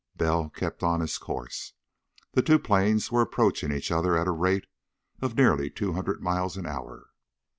Bell kept on his course. The two planes were approaching each other at a rate of nearly two hundred miles an hour.